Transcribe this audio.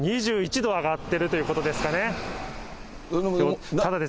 ２１度上がっているということですかね。